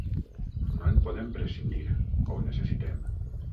No en podem prescindir: ho necessitem.